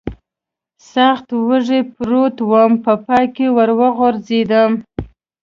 سخت وږی پروت ووم، په پای کې ور وغورځېدم.